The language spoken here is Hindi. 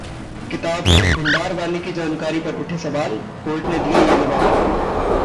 किताब में भिंडरावाले की जानकारी पर उठे सवाल, कोर्ट ने दिया ये जवाब